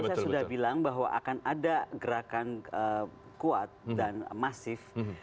saya sudah bilang bahwa akan ada gerakan kuat dan masif